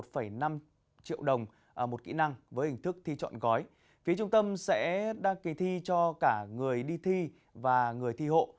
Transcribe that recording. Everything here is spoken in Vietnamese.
phía trung tâm sẽ đăng kí thi cho cả người đi thi và người thi hộ